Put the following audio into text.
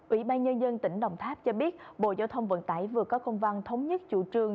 ủy ban nhân dân tỉnh đồng tháp cho biết bộ giao thông vận tải vừa có công văn thống nhất chủ trương